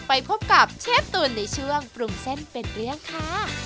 ไปพบกับเชฟตูนในช่วงปรุงเส้นเป็นเรื่องค่ะ